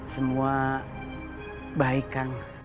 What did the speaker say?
semua baik kang